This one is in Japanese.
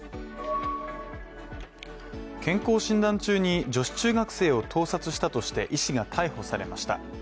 健康診断中に、女子中学生を盗撮したとして医師が逮捕されました。